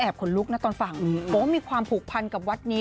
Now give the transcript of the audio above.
พวกมันมีความผูกพันกับวัดนี้